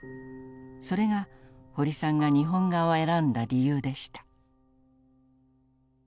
それが堀さんが日本画を選んだ理由でした。